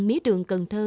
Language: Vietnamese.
mía đường cần thơ